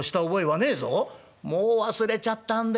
「もう忘れちゃったんですか？